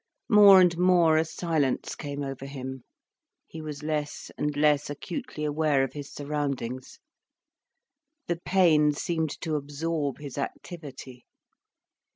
More and more a silence came over him, he was less and less acutely aware of his surroundings. The pain seemed to absorb his activity.